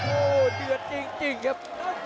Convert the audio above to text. โอ้โหเดือดจริงครับ